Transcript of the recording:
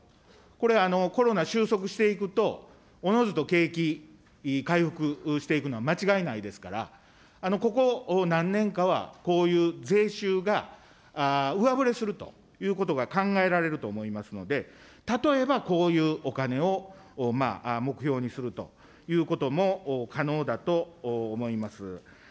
これ、コロナ収束していくと、おのずと景気、回復していくのは間違いないですから、ここ何年かはこういう税収が上振れするということが考えられると思いますので、例えばこういうお金を目標にするということも可能だと思います。